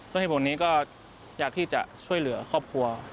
เหตุผลนี้ก็อยากที่จะช่วยเหลือครอบครัว